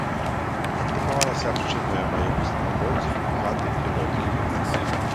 Практыкавалася абшчынная маёмасць на ўгоддзі, хаты і лодкі.